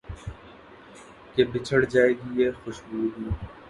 کہ بچھڑ جائے گی یہ خوش بو بھی